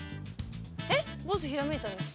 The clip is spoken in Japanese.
えっボスひらめいたんですか？